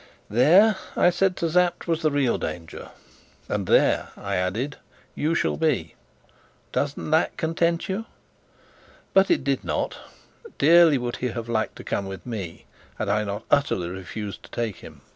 There, I said to Sapt, was the real danger. "And there," I added, "you shall be. Doesn't that content you?" But it did not. Dearly would he have liked to come with me, had I not utterly refused to take him.